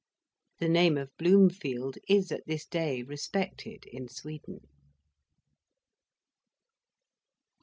The name of Bloomfield is at this day respected in Sweden.